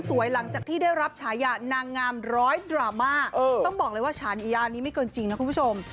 หลังจากที่ได้รับฉายานางงามร้อยดราม่าต้องบอกเลยว่าฉานียานี้ไม่เกินจริงนะคุณผู้ชม